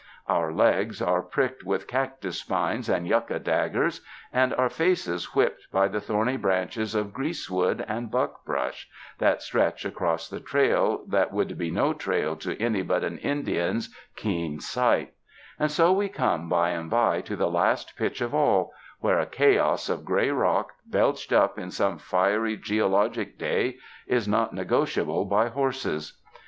Our legs are pricked with cactus spines and yucca daggers, and our faces whipped by the thorny branches of grease wood and buck brush that stretch across the trail that would be no trail to any but an Indian's keen sight; and so we come by and by to the last pitch of all, where a chaos of gray rock, belched up in some fiery geologic day, is not negotiable by horses.